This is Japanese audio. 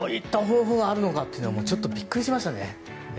こういった方法があるのかってちょっとびっくりしましたね。